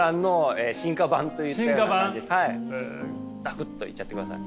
ザクッといっちゃってください。